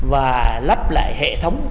và lắp lại hệ thống